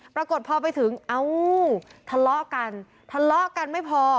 ปรากฏพอไปถึงทะเลาะกันไม่พอ